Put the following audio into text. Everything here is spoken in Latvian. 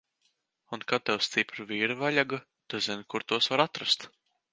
Un kad tev stipru vīru vajaga, tu zini, kur tos var atrast!